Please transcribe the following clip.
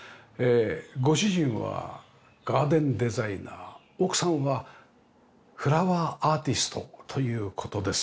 ご主人はガーデンデザイナー奥さんはフラワーアーティストという事です。